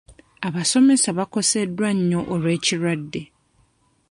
Abasomesa bakoseddwa nnyo olw'ekirwadde.